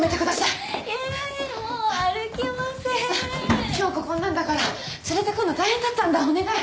あっ響子こんなんだから連れてくんの大変だったんだお願い。